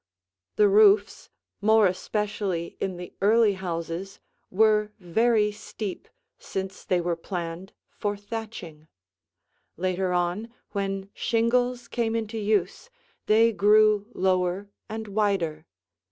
The roofs, more especially in the early houses, were very steep, since they were planned for thatching; later on, when shingles came into use, they grew lower and wider.